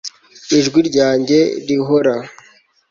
ijwi ryanjye rihora